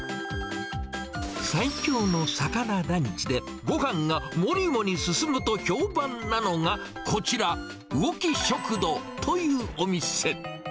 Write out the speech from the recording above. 最強の魚ランチで、ご飯がモリモリ進むと評判なのが、こちら、魚き食堂というお店。